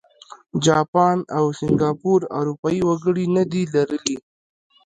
جاپان او سینګاپور اروپايي وګړي نه دي لرلي.